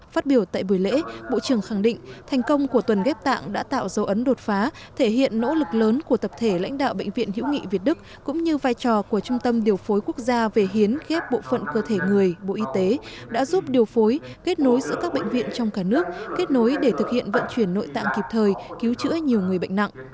phát biểu tại buổi lễ bộ trưởng khẳng định thành công của tuần ghép tặng đã tạo dấu ấn đột phá thể hiện nỗ lực lớn của tập thể lãnh đạo bệnh viện hữu nghị việt đức cũng như vai trò của trung tâm điều phối quốc gia về hiến ghép bộ phận cơ thể người bộ y tế đã giúp điều phối kết nối giữa các bệnh viện trong cả nước kết nối để thực hiện vận chuyển nội tạng kịp thời cứu chữa nhiều người bệnh nặng